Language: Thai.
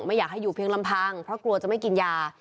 ไม่อยากให้อยู่เพียงลำพังเพราะกลัวจะไม่กินยา